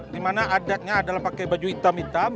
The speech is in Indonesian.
dimana adatnya adalah pakai baju hitam hitam